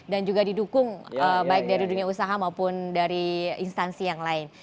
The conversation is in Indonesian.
dan juga didukung baik dari dunia usaha maupun dari instansi yang lain